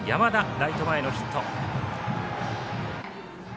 ライト前のヒット。